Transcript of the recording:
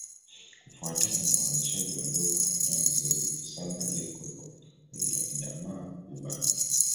Kufuatana na uainishaji wa lugha kwa ndani zaidi, Kisamba-Leko iko katika kundi la Kiadamawa-Ubangi.